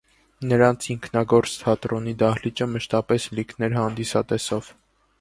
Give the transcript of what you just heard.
Նրանց ինքնագործ թատրոնի դահլիճը մշտապես լիքն էր հանդիսատեսով։